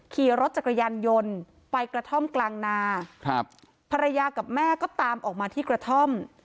ขี่รถจักรยานยนต์ไปกระท่อมกลางนาครับภรรยากับแม่ก็ตามออกมาที่กระท่อม